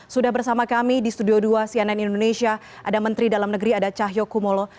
sudah bersama kami di studio dua cnn indonesia ada menteri dalam negeri ada cahyokumolo